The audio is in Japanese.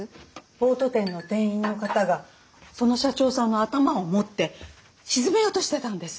ボート店の店員の方がその社長さんの頭を持って沈めようとしてたんです。